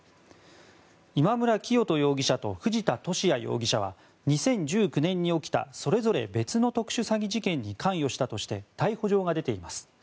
今村磨人容疑者と藤田聖也容疑者は２０１９年に起きたそれぞれ別の特殊詐欺事件に関与したとして逮捕状が出ています。